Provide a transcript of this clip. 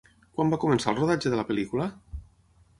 Quan va començar el rodatge de la pel·lícula?